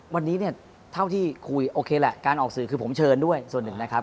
วันนี้เนี่ยเท่าที่คุยโอเคแหละการออกสื่อคือผมเชิญด้วยส่วนหนึ่งนะครับ